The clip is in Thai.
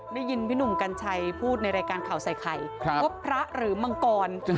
ได้ยินพี่หนุ่มกัญชัยพูดในรายการข่าวใส่ไข่ว่าพระหรือมังกร